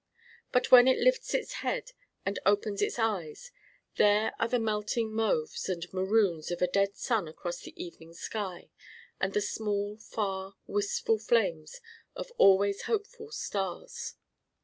But when it lifts its head and opens its eyes there are the melting mauves and maroons of a dead sun across the evening sky, and the small far wistful flames of always hopeful stars.